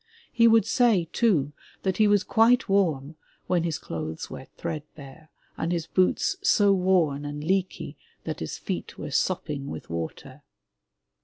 He would say, too, that he was quite warm when his clothes were threadbare and his boots so worn and leaky that his feet were sopping with water.